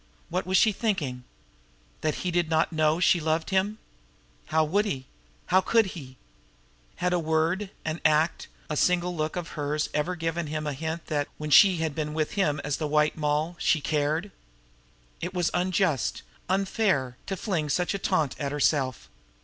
What was she thinking? That he did not know she loved him! How would he? How could he? Had a word, an act, a single look of hers ever given him a hint that, when she had been with him as the White Moll, she cared! It was unjust, unfair, to fling such a taunt at herself.